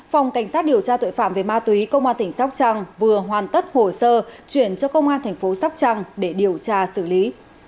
phòng cảnh sát điều tra tội phạm về ma túy công an tỉnh sóc trăng vừa hoàn tất hồ sơ chuyển cho công an thành phố sóc trăng để điều tra xử lý